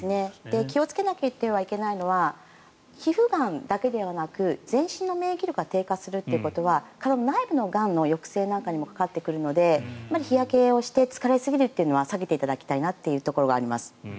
気をつけなければいけないのが皮膚がんだけでなく全身の免疫力が低下するということは体の内部のがんの抑制なんかにもかかってくると日焼けをして疲れすぎるというのは避けていただきたいなというところがあります。